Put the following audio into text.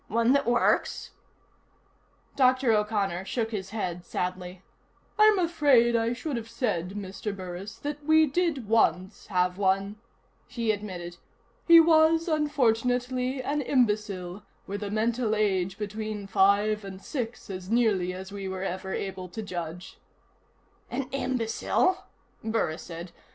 One that works?" Dr. O'Connor shook his head sadly. "I'm afraid I should have said, Mr. Burris, that we did once have one," he admitted. "He was, unfortunately, an imbecile, with a mental age between five and six, as nearly as we were ever able to judge." "An imbecile?" Burris said.